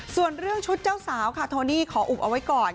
ส่วนเรื่องชุดเจ้าสาวค่ะโทนี่ขออุบเอาไว้ก่อน